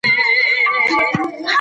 هغه د خپلې مینې د لیدو په هیله هلته لاړ.